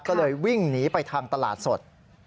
ก็เลยวิ่งหนีไปทางตลาดสด